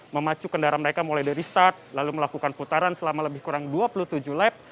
memacu kendaraan mereka mulai dari start lalu melakukan putaran selama lebih kurang dua puluh tujuh lap